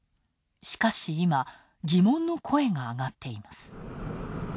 しかし、今、疑問の声があがっています。